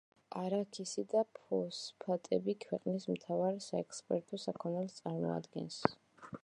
არაქისი და ფოსფატები ქვეყნის მთავარ საექსპორტო საქონელს წარმოადგენს.